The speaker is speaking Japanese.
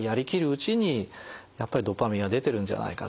うちにやっぱりドパミンは出てるんじゃないかと。